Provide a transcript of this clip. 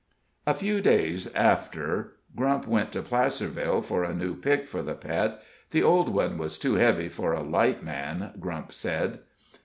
A few days after Grump went to Placerville for a new pick for the Pet the old one was too heavy for a light man, Grump said.